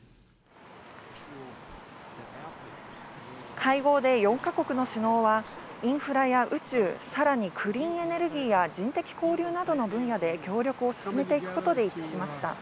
会合で４か国の首脳は、インフラや宇宙、さらにクリーンエネルギーや人的交流などの分野で協力を進めていくことで一致しました。